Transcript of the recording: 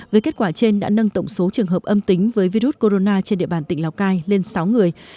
với kết quả trên đã nâng tổng số trường hợp âm tính với virus corona trên địa bàn tỉnh lào cai lên sáu người